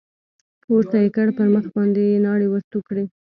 پورته يې كړ پر مخ باندې يې ناړې ورتو کړې.